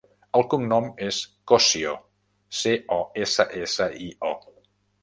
El cognom és Cossio: ce, o, essa, essa, i, o.